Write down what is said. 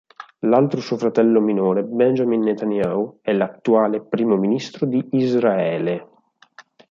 L'altro suo fratello minore, Benjamin Netanyahu, è l'attuale primo ministro di Israele.